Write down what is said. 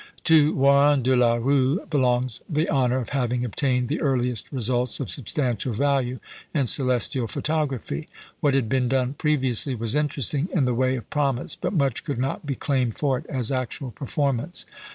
To Warren de la Rue belongs the honour of having obtained the earliest results of substantial value in celestial photography. What had been done previously was interesting in the way of promise, but much could not be claimed for it as actual performance.